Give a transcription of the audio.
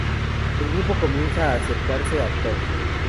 El grupo comienza a acercarse a Toad.